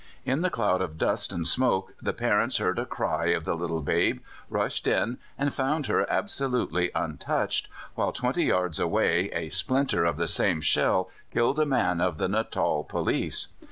In the cloud of dust and smoke the parents heard the cry of the little babe, rushed in, and found her absolutely untouched, while 20 yards away a splinter of the same shell killed a man of the Natal Police.